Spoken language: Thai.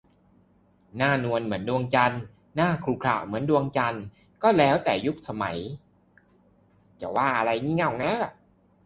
หน้านวลเหมือนดวงจันทร์ หน้าขรุขระเหมือนดวงจันทร์ ก็แล้วแต่ยุค แต่ละสมัย จะหาว่าอะไร "งี่เง่า"